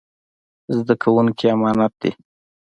زده کوونکي يې امانت دي.